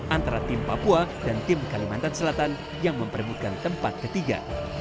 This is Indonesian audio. antara tim papua dan tim kalimantan selatan yang memperebutkan tempat ketiga